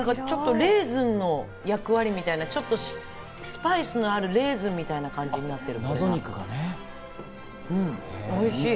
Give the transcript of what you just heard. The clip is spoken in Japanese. レーズンの役割みたいなスパイスのあるレーズンみたいな感じになってる。